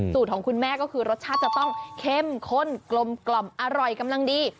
ของคุณแม่ก็คือรสชาติจะต้องเข้มข้นกลมอร่อยกำลังดี